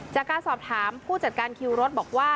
จากการสอบถามผู้จัดการคิวรถบอกว่า